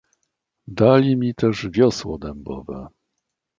"Dali mi też wiosło dębowe..."